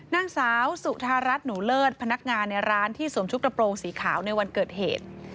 นางสาวสุธารัฐหนูเลิศพนักงานในร้านที่สวมชุดกระโปรงสีขาวในวันเกิดเหตุ